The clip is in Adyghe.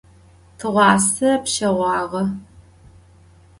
Tığuase pşeğuağe.